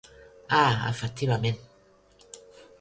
Ah, efectivament.